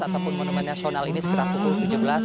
ataupun monumen nasional ini sekitar pukul tujuh belas